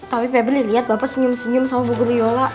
tapi pebeli liat bapak senyum senyum sama buguryola